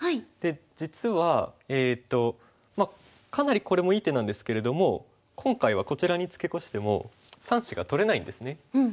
実はえっとかなりこれもいい手なんですけれども今回はこちらにツケコしても３子が取れないんですね。